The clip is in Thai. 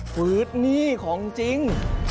คืนนี่ของจริง